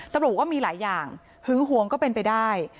ตำรวจก็มีหลายอย่างหึงหวงก็เป็นไปได้